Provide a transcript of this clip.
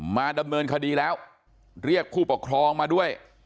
มาดำเนินคดีแล้วเรียกผู้ปกครองมาด้วย